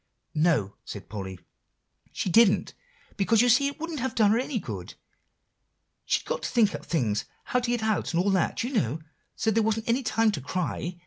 "No," said Polly, "she didn't, because you see it wouldn't have done any good, she'd got to think up things, how to get out, and all that, you know, so there wasn't any time to cry.